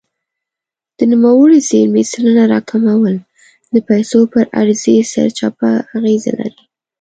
د نوموړې زیرمې سلنه راکمول د پیسو پر عرضې سرچپه اغېز لري.